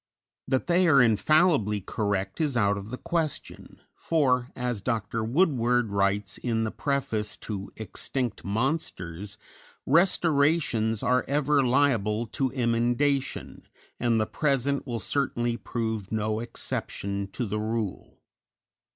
That they are infallibly correct is out of the question; for, as Dr. Woodward writes in the preface to "Extinct Monsters," "restorations are ever liable to emendation, and the present ... will certainly prove no exception to the rule."